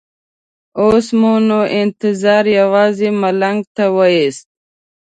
اوس مو نو انتظار یوازې ملنګ ته وېست.